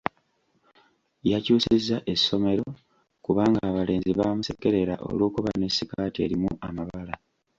Yakyusizza essomero kubanga abalenzi baamusekerera olw'okuba ne sikaati erimu amabala.